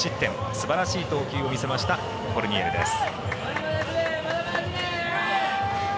すばらしい投球を見せましたコルニエルです。